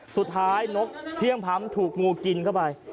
สุดท้ายนกเพี้ยงพร้ำถูกงูกินเข้าไป